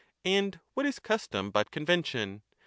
And what is custom but convention?